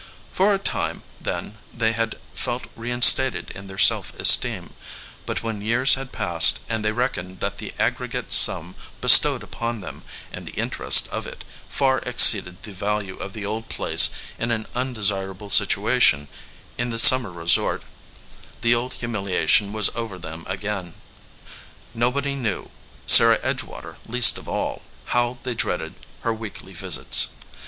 For a time, then, they had felt rein stated in their self esteem; but when years had passed, and they reckoned that the aggregate sum bestowed upon them, and the interest of it, far exceeded the value of the old place in an undesir able situation in the summer resort, the old humilia tion was over them again. Nobody knew, Sarah Edgewater least of all, how they dreaded her weekly visits.